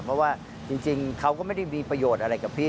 เพราะว่าจริงเขาก็ไม่ได้มีประโยชน์อะไรกับพี่